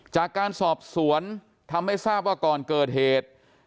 จากการสอบสวนทำให้ทราบว่าก่อนเกิดเหตุ